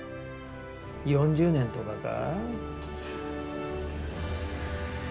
４０年とかか？